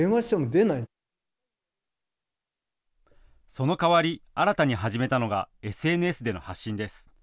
そのかわり新たに始めたのがＳＮＳでの発信です。